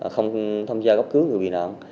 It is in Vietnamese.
không tham gia gấp cứu người bị nạn